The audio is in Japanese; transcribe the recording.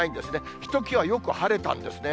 ひときわよく晴れたんですね。